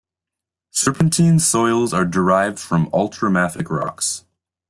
Serpentine soils are derived from ultramafic rocks.